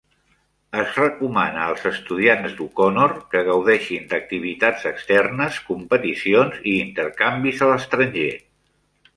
Es recomana als estudiants d'O'Connor que gaudeixin d'activitats externes, competicions i intercanvis a l'estranger.